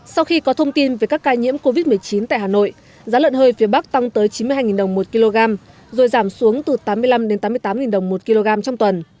sau khi có thông tin về các ca nhiễm covid một mươi chín tại hà nội giá lợn hơi phía bắc tăng tới chín mươi hai đồng một kg rồi giảm xuống từ tám mươi năm tám mươi tám đồng một kg trong tuần